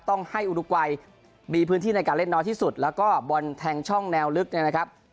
ต้องให้อุดัยมีพื้นที่ในการเล่นน้อยที่สุดแล้วก็บอลแทงช่องแนวลึกเนี่ยนะครับ